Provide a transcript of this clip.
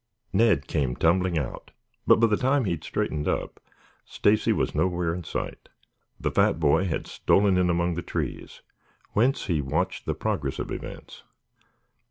Ned came tumbling out, but by the time he had straightened up, Stacy was nowhere in sight. The fat boy had stolen in among the trees whence he watched the progress of events.